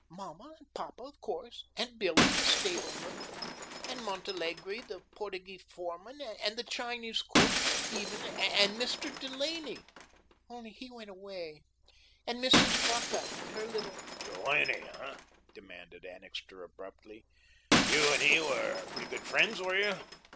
Mamma and papa, of course, and Billy, the stableman, and Montalegre, the Portugee foreman, and the Chinese cook, even, and Mr. Delaney only he went away and Mrs. Vacca and her little " "Delaney, hey?" demanded Annixter abruptly. "You and he were pretty good friends, were you?"